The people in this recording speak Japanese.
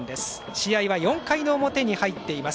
試合は４回の表に入っています。